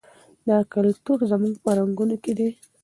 دا کلتور زموږ په رګونو کې دی.